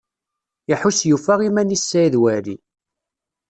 Iḥuss yufa iman-is Saɛid Waɛli.